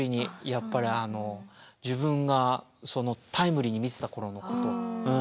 やっぱりあの自分がタイムリーに見てた頃のことを。